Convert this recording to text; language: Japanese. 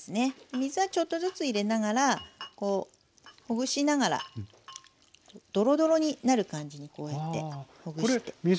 水はちょっとずつ入れながらほぐしながらどろどろになる感じにこうやってほぐしていきます。